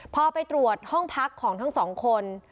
พอไปตรวจห้องพักของทั้งสองคน